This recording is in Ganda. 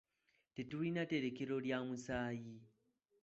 Tetulina tterekero lya musaayi.